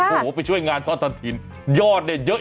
โอ้โฮไปช่วยงานท่อตะทินยอดเยอะจริง